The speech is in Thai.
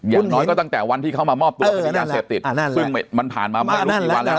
อย่างน้อยก็ตั้งแต่วันที่เขามามอบตัวคดียาเสพติดซึ่งมันผ่านมาไม่รู้กี่วันแล้ว